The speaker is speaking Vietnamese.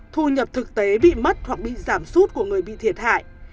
thu nhập thực tế bị mất hoặc bị giảm sút của người bị thiệt hại